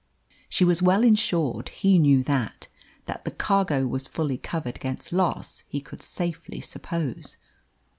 She was well insured, he knew that. That the cargo was fully covered against loss he could safely suppose.